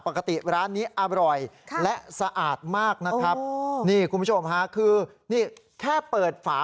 ปกติร้านนี้อร่อยและสะอาดมากนะครับนี่คุณผู้ชมฮะคือนี่แค่เปิดฝา